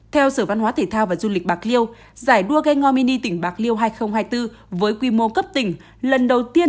theo sở văn hóa thể thao và du lịch bạc liêu giải đua gho mini tỉnh bạc liêu hai nghìn hai mươi bốn với quy mô cấp tỉnh lần đầu tiên